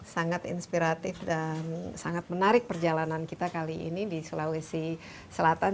sangat inspiratif dan sangat menarik perjalanan kita kali ini di sulawesi selatan